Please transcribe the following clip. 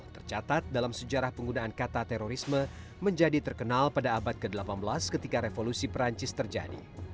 tercatat dalam sejarah penggunaan kata terorisme menjadi terkenal pada abad ke delapan belas ketika revolusi perancis terjadi